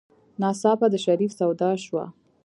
ناڅاپه د شريف سودا شوه.